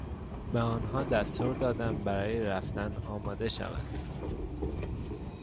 به آنها دستور دادم برای رفتن آماده شوند.